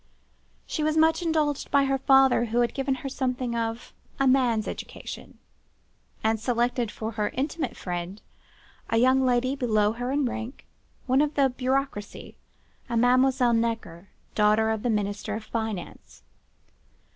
She was much indulged by her father, who had given her something of a man's education, and selected for her intimate friend a young lady below her in rank, one of the Bureaucracie, a Mademoiselle Necker, daughter of the Minister of Finance.